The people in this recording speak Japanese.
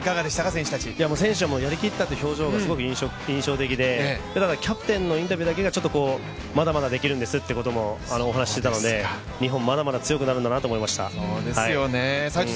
選手たちは選手たちはやりきったという表情がすごく印象的でキャプテンのインタビューだけがまだまだできるんですっていうこともお話ししていたので日本、まだまだ強くなるんだなと思いました。